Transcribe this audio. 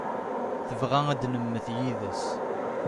Tebɣa ad nemmet yid-s.